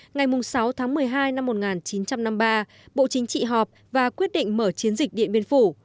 ngày sáu tháng một mươi hai năm một nghìn chín trăm năm mươi ba bộ chính trị họp và quyết định mở chiến dịch điện biên phủ